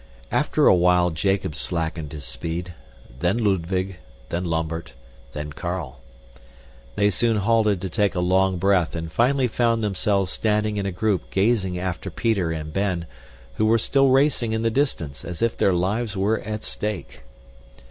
After a while Jacob slackened his speed, then Ludwig, then Lambert, then Carl. They soon halted to take a long breath and finally found themselves standing in a group gazing after Peter and Ben, who were still racing in the distance as if their lives were at stake.